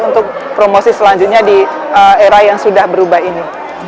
untuk promosi selanjutnya di era yang sudah berubah ini